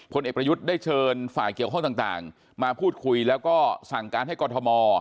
เด็กได้เชิญฝ่ายเกี่ยวข้องต่างมาพูดคุยแล้วก็สั่งการให้กรทม